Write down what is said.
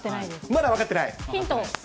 まだ分かってない？